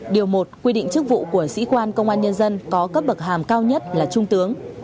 điều một quy định chức vụ của sĩ quan công an nhân dân có cấp bậc hàm cao nhất là trung tướng